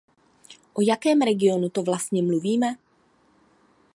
O jakém regionu to vlastně mluvíme?